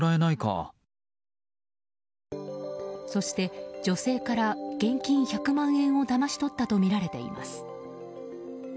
そして女性から現金１００万円をだまし取ったとみられています。